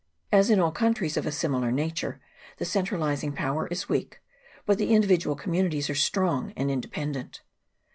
As in all countries of a similar nature, the centralizing power is weak, but the individual communities are strong and independent.